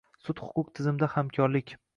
Sud-huquq tizimida hamkorlikng